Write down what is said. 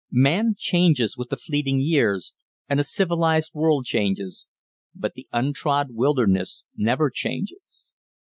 Man changes with the fleeting years and a civilized world changes, but the untrod wilderness never changes.